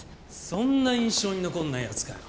そんな印象に残んない奴かよ。